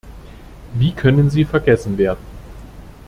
Wie können sie vergessen werden?